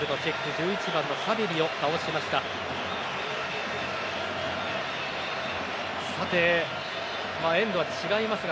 １１番のサビリを倒しました。